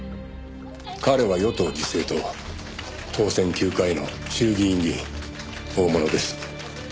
「彼は与党自生党当選９回の衆議院議員」「大物です」